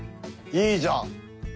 いいじゃん。